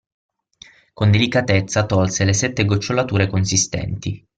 Con delicatezza tolse le sette gocciolature consistenti.